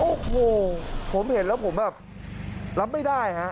โอ้โหผมเห็นแล้วผมแบบรับไม่ได้ฮะ